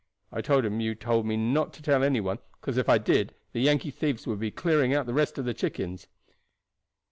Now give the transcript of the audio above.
I told him you told me not to tell any one, 'cause if I did the Yankee thieves would be clearing out the rest of the chickens."